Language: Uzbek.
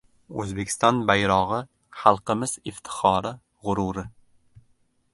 O‘zbekiston bayrog‘i – xalqimiz iftixori, g‘ururi